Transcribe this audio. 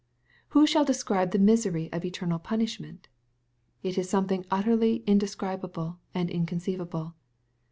Who shall describe the misery of eternal punishment ? It is something utterly indescribable and inconceivable.